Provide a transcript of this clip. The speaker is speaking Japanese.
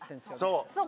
そう！